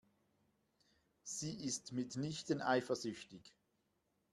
Sie ist mitnichten eifersüchtig.